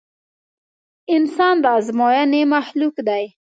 انسان د ازموينې مخلوق دی.